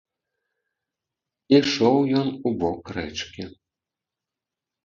Ішоў ён у бок рэчкі.